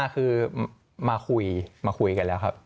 คือมาคุยมาคุยกันแล้วครับ